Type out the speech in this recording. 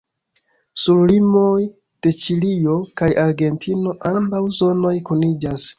Sur limoj de Ĉilio kaj Argentino ambaŭ zonoj kuniĝas.